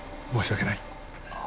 申し訳ない。